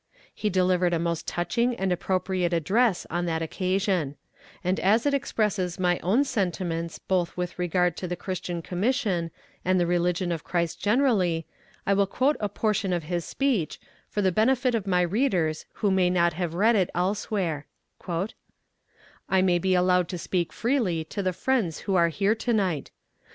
He delivered a most touching and appropriate address on that occasion, and as it expresses my own sentiments, both with regard to the Christian Commission and the religion of Christ generally, I will quote a portion of his speech, for the benefit of my readers who may not have read it elsewhere: "I may be allowed to speak freely to the friends who are here to night.